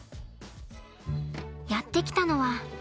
やって来たのは。